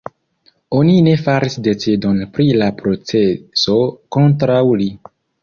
Oni ne faris decidon pri la proceso kontraŭ li.